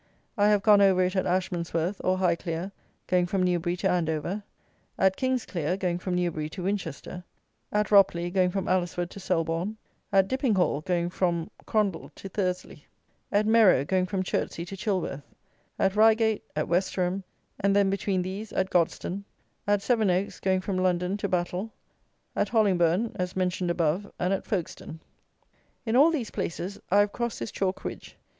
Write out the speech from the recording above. I have gone over it at Ashmansworth, or Highclere, going from Newbury to Andover; at King's Clere, going from Newbury to Winchester; at Ropley, going from Alresford to Selborne; at Dippinghall, going from Crondall to Thursly; at Merrow, going from Chertsey to Chilworth; at Reigate; at Westerham, and then, between these, at Godstone; at Sevenoaks, going from London to Battle; at Hollingbourne, as mentioned above, and at Folkestone. In all these places I have crossed this chalk ridge.